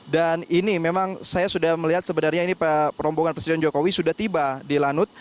ini memang saya sudah melihat sebenarnya ini rombongan presiden jokowi sudah tiba di lanut